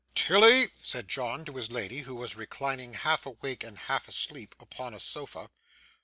'Tilly!' said John to his lady, who was reclining half awake and half asleep upon a sofa.